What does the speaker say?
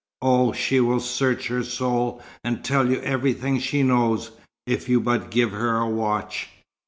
Oh, she will search her soul and tell you everything she knows, if you but give her a watch!"